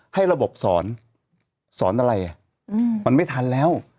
ให้ระบบสอนสอนอะไรมันไม่ทันแล้ว